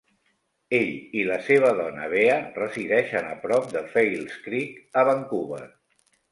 Ell i la seva dona Bea resideixen a prop de False Creek a Vancouver.